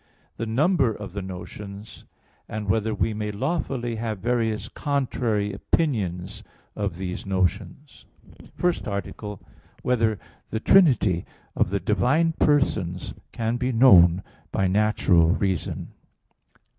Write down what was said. (3) The number of the notions? (4) Whether we may lawfully have various contrary opinions of these notions? _______________________ FIRST ARTICLE [I, Q. 32, Art. 1] Whether the Trinity of the Divine Persons Can Be Known by Natural Reason?